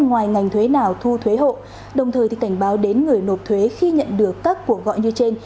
ngoài ngành thuế nào thu thuế hộ đồng thời thì cảnh báo đến người nộp thuế khi nhận được các cuộc gọi như trên